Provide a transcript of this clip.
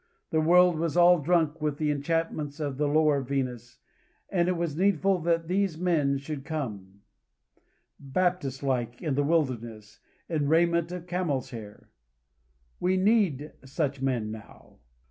The world was all drunk with the enchantments of the lower Venus, and it was needful that these men should come, Baptist like in the wilderness, in raiment of camel's hair. We need such men now.